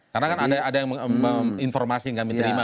karena kan ada informasi yang kami terima